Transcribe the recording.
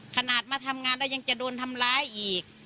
ขนาดมาทำงานแล้วยังจะโดนทำร้ายอีก